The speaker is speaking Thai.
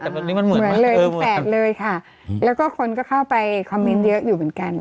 แต่แบบนี้มันเหมือนเลยแฝดเลยค่ะแล้วก็คนก็เข้าไปคอมเมนต์เยอะอยู่เหมือนกัน